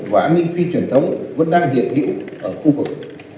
và an ninh phi truyền thống vẫn đang hiện hữu ở khu vực